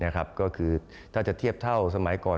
ก็คือถ้าจะเทียบเท่าสมัยก่อน